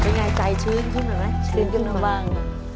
เป็นไงใจชื้นขึ้นหน่อยชื้นขึ้นขึ้นมาบ้าง